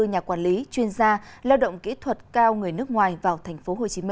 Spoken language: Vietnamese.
nhà quản lý chuyên gia lao động kỹ thuật cao người nước ngoài vào tp hcm